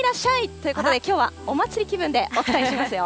ということで、きょうはお祭り気分でお伝えをしますよ。